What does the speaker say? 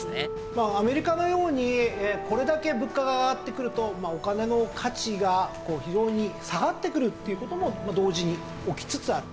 まあアメリカのようにこれだけ物価が上がってくるとお金の価値が非常に下がってくるという事も同時に起きつつある。